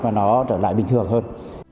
và nó trở lại bình thường hơn